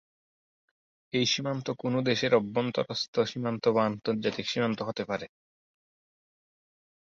এই সীমান্ত কোনো দেশের অভ্যন্তরস্থ সীমান্ত বা আন্তর্জাতিক সীমান্ত হতে পারে।